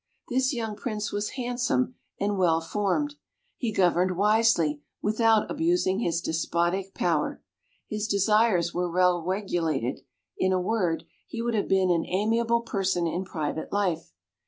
This young Prince was handsome and well formed. He governed wisely, without abusing his despotic power. His desires were well regulated in a word, he would have been an amiable person in private life.